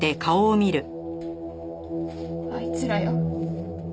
あいつらよ。